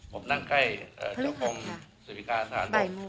ผมนั่งใกล้เจ้าคมสิริกาสถานบน